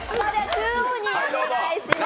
中央にお願いします。